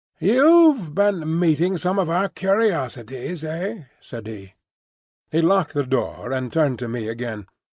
"You've been meeting some of our curiosities, eh?" said he. He locked the door and turned to me again.